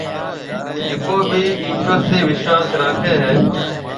جڪو ڀِي ايشوَر تي وِشواس راکَي هيَ۔